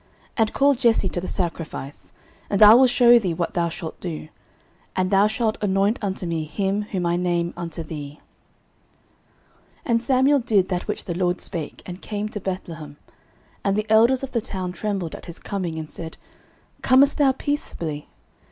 09:016:003 And call Jesse to the sacrifice, and I will shew thee what thou shalt do: and thou shalt anoint unto me him whom I name unto thee. 09:016:004 And Samuel did that which the LORD spake, and came to Bethlehem. And the elders of the town trembled at his coming, and said, Comest thou peaceably?